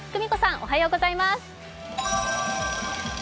おはようございます。